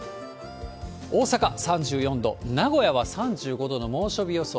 大阪３４度、名古屋は３５度の猛暑日予想。